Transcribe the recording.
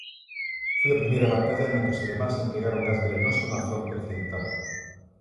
Foi a primeira batalla na que os alemáns empregaron gas velenoso na fronte occidental.